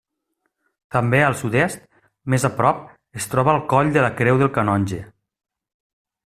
També al sud-est, més a prop, es troba el Coll de la Creu del Canonge.